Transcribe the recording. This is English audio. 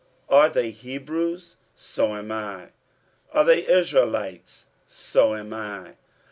47:011:022 Are they Hebrews? so am I. Are they Israelites? so am I.